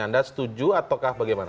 anda setuju atau bagaimana